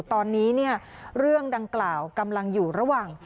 ตอนนี้เนี่ยเรื่องดังกล่าวกำลังอยู่ระหว่าง